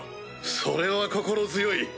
それは心強い。